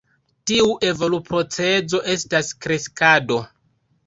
Tiu evoluprocezo estas kreskado.